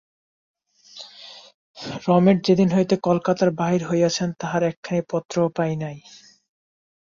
রমেশ যেদিন হইতে কলিকাতার বাহির হইয়াছেন, তাঁহার একখানি পত্রও পাই নাই।